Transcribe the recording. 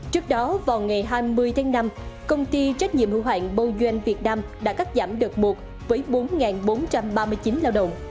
trước đó vào ngày hai mươi tháng năm công ty trách nhiệm hữu hạng bouj việt nam đã cắt giảm đợt một với bốn bốn trăm ba mươi chín lao động